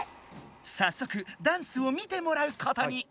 さっそくダンスを見てもらうことに。